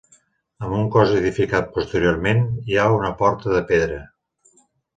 Amb un cos edificat posteriorment, hi ha una porta de pedra.